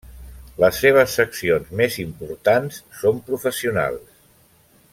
Les seves seccions més importants són professionals.